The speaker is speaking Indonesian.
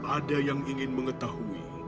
ada yang ingin mengetahui